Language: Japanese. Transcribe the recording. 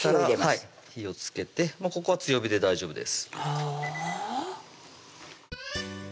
はい火をつけてもうここは強火で大丈夫です